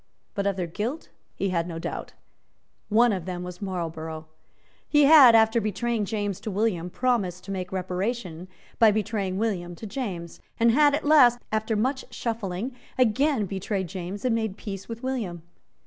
But of their guilt he had no doubt. One of them was Marlborough. He had, after betraying James to William, promised to make reparation by betraying William to James, and had, at last, after much shuffling, again betrayed James and made peace with William.